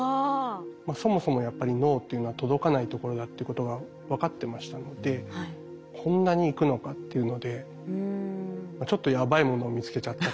そもそもやっぱり脳っていうのは届かないところだっていうことが分かってましたのでこんなに行くのかっていうのでちょっとやばいものを見つけちゃったかなという気もしました。